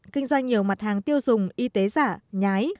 kinh doanh nhiều mặt hàng tiêu dùng y tế giả nhái